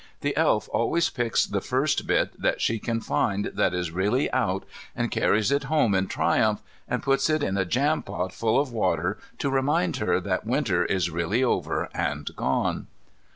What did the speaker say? The Elf always picks the first bit that she can find that is really out and carries it home in triumph, and puts it in a jampot full of water to remind her that Winter is really over and gone.